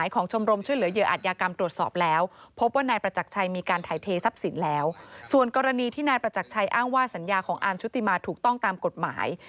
ของอาร์มชูติมาถูกต้องตามกฎหมาย